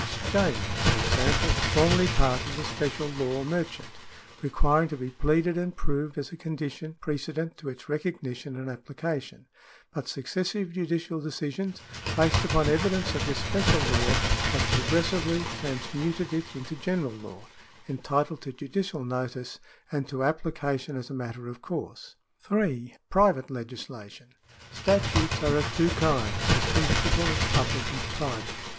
30 CIVIL LAW [§11 exchange, for example, was formerly part of the special law merchant, requking to be pleaded and proved as a condition precedent to its recognition and application ; but successive judicial decisions, based upon evidence of this special law, have progressively transmuted it into general law, entitled to judicial notice and to application as a matter of course. 3. Private legislation. — Statutes are of two kinds, distin guishable as public and private.